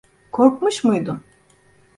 Korkmuş muydun?